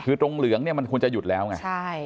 คือตรงเหลืองเนี่ยมันควรจะหยุดแล้วไง